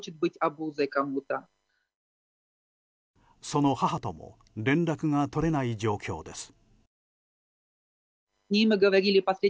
その母とも連絡が取れない状況です。